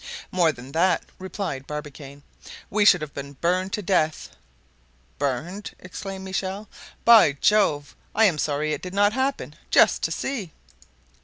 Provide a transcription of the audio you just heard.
"More than that," replied Barbicane; "we should have been burned to death." "Burned?" exclaimed Michel, "by Jove! I am sorry it did not happen, 'just to see.